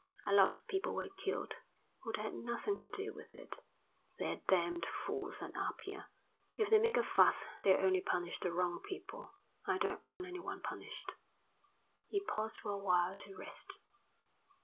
A lot of people were killed who'd had nothing to do with it. They're damned fools at Apia. If they make a fuss they'll only punish the wrong people. I don't want anyone punished." He paused for a while to rest.